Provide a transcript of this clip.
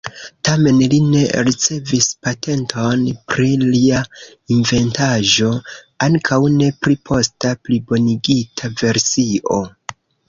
Tamen li ne ricevis patenton pri lia inventaĵo, ankaŭ ne pri posta plibonigita versio.